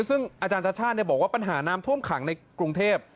ซึ่งอาจารย์ชาติชาติบอกว่าปัญหาน้ำท่วมขังในกรุงเทพ